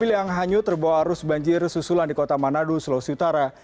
mobil yang hanyut terbawa arus banjir susulan di kota manado sulawesi utara